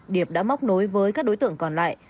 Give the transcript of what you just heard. điệp đã móc nối với các đối tượng còn lại